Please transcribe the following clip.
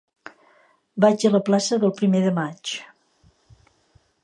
Vaig a la plaça del Primer de Maig.